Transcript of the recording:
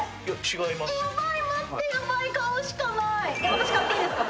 私買っていいですか？